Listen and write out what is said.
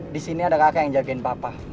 disini ada kakak yang jagain papa